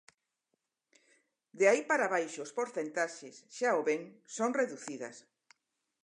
De aí para abaixo as porcentaxes, xa o ven, son reducidas.